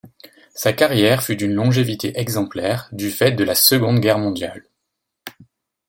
Sa carrière fut d'une longévité exemplaire, du fait de la Seconde Guerre mondiale.